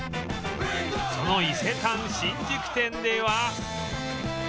その伊勢丹新宿店では